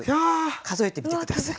数えてみて下さい。